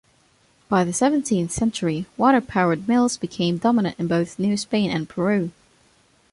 By the seventeenth century, water-powered mills became dominant in both New Spain and Peru.